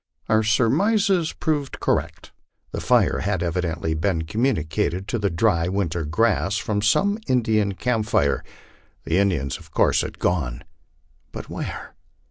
Our surmises proved correct. The fire had evidently been communicated to the dry winter grass from some Indian camp fire. The Indians of course had gone; but where?